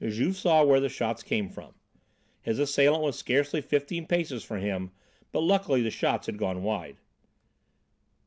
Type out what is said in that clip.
Juve saw where the shots came from. His assailant was scarcely fifteen paces from him, but luckily the shots had gone wide.